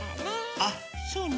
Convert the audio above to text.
あっそうね。